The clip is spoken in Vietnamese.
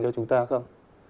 cho chúng ta không